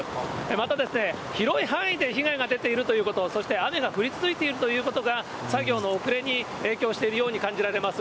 また、広い範囲で被害が出ているということ、そして雨が降り続いているということが、作業の遅れに影響しているように感じられます。